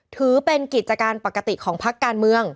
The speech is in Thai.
ถือเป็นกิจการปกติของพักการเมือง